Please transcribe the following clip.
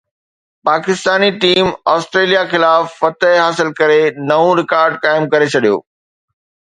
Pakistani team Australia خلاف فتح حاصل ڪري نئون رڪارڊ قائم ڪري ڇڏيو